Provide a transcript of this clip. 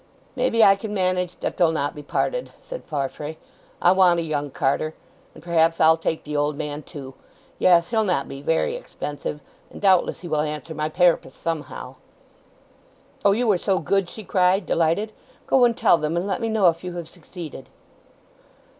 "Maybe I can manage that they'll not be parted," said Farfrae. "I want a young carter; and perhaps I'll take the old man too—yes; he'll not be very expensive, and doubtless he will answer my pairrpose somehow." "O, you are so good!" she cried, delighted. "Go and tell them, and let me know if you have succeeded!"